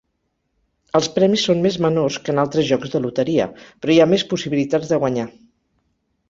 Els premis són més menors que en altres jocs de loteria, però hi ha més possibilitats de guanyar.